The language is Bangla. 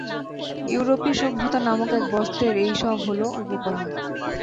ইউরোপী সভ্যতা নামক বস্ত্রের এই সব হল উপকরণ।